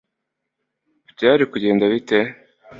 Byari kugenda bite